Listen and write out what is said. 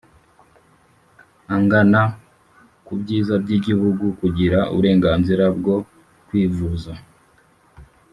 Angana ku byiza by igihugu kugira uburenganzira bwo kwivuza